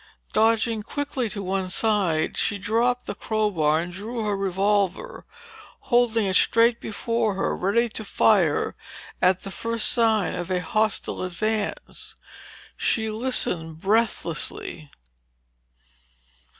Dodging quickly to one side, she dropped the crowbar and drew her revolver. Holding it straight before her, ready to fire at the first sign of a hostile advance, she listened breathlessly.